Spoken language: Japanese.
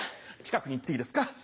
近くに行っていいですか？